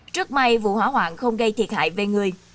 rất may vụ hỏa hoạn không gây thiệt hại về người